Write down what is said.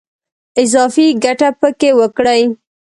اضافي ګټه په کې وکړي.